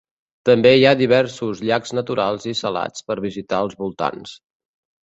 També hi ha diversos llacs naturals i salats per visitar als voltants.